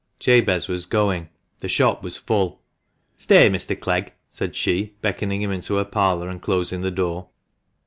Jabez was going. The shop was full. " Stay, Mr. Clegg," said she, beckoning him into her parlour, and closing the door.